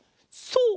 そう！